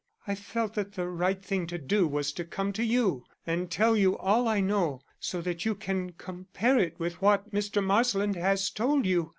I felt that the right thing to do was to come to you and tell you all I know so that you can compare it with what Mr. Marsland has told you.